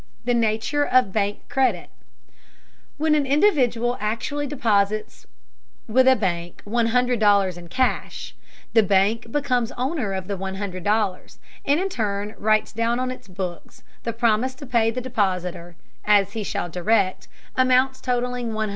THE NATURE OF BANK CREDIT. When an individual actually deposits with a bank $100 in cash, the bank becomes owner of the $100, and in turn writes down on its books the promise to pay to the depositor, as he shall direct, amounts totaling $100.